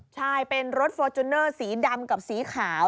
ใช่เป็นรถฟอร์จูเนอร์สีดำกับสีขาว